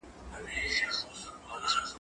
لوښي د مور له خوا مينځل کيږي؟!